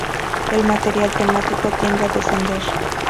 El material temático tiende a descender.